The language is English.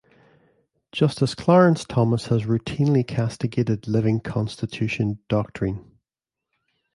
Justice Clarence Thomas has routinely castigated "living Constitution" doctrine.